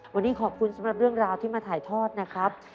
วันนี้ขอบคุณสำหรับเรื่องราวที่มาถ่ายทอดนะครับ